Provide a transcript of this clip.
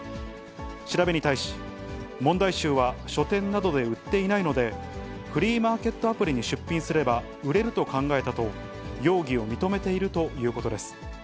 調べに対し、問題集は書店などで売っていないので、フリーマーケットアプリに出品すれば、売れると考えたと、容疑を認めているということです。